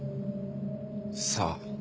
さあ。